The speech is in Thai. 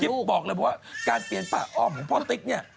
จะคิดบอกเลยเพราะว่าการเปลี่ยนฝ่าออกของพ่อติ๊กเนี่ย